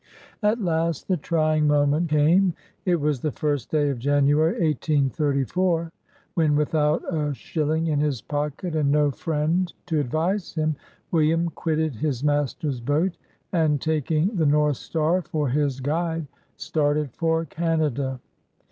;? At last the trying moment came. It was the first day of January, 1834, when, without a shilling in his pocket, and no friend to advise him, William quitted his master's boat, and, taking the North Star for his AN AMERICAN BONDMAN. 39 guide, started for Canada.